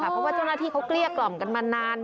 เพราะว่าเจ้าหน้าที่เขาเกลี้ยกล่อมกันมานาน